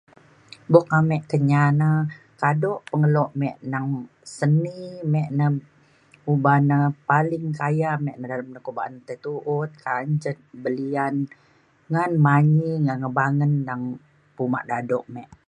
Buk ame Kenyah na kado pengelo me neng seni me na uban um paling kaya me na dalem ko ba’an tu’ut kancet belian ngan manyi ngan kebangen neng uma dado me